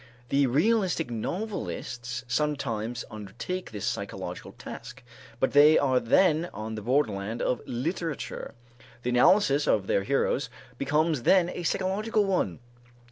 The realistic novelists sometimes undertake this psychological task, but they are then on the borderland of literature, the analysis of their heroes becomes then a psychological one.